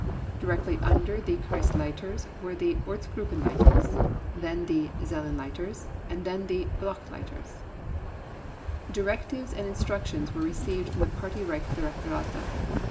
Directly under the Kreisleiters were the Ortsgruppenleiters, then the Zellenleiters and then the Blockleiters. Directives and instructions were received from the Party Reich Directorate.